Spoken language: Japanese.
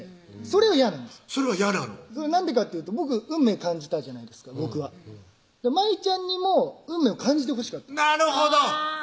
それは嫌なのそれはなんでかっていうと僕運命感じたじゃないですか舞ちゃんにも運命を感じてほしかったなるほど！